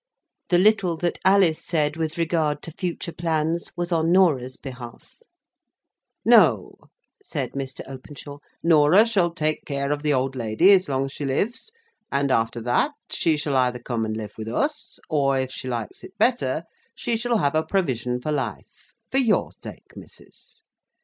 The little that Alice said with regard to future plans was in Norah's behalf. "No," said Mr. Openshaw. "Norah shall take care of the old lady as long as she lives; and, after that, she shall either come and live with us, or, if she likes it better, she shall have a provision for life—for your sake, missus.